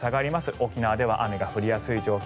沖縄では雨が降りやすい状況。